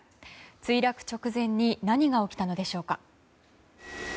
墜落直前に何が起きたのでしょうか。